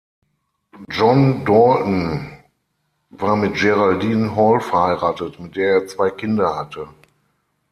John Dalton war mit Geraldine Hall verheiratet, mit der er zwei Kinder hatte.